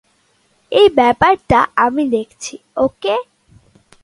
এই ব্যাপারটা আমি দেখছি, ওকে?